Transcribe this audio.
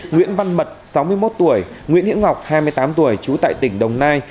nguyễn văn mật sáu mươi một tuổi nguyễn hiễu ngọc hai mươi tám tuổi trú tại tỉnh đồng nai